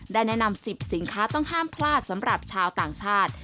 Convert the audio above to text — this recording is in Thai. ได้แนะนำ๑๐สินค้าต้องห้ามพลาดสำหรับชาวต่างชาติ